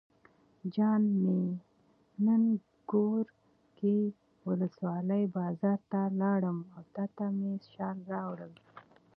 جان مې نن ګورکي ولسوالۍ بازار ته لاړم او تاته مې شال راوړل.